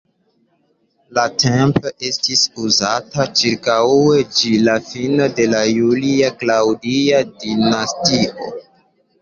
La templo estis uzata ĉirkaŭe ĝis la fino de la Julia-Klaŭdia dinastio.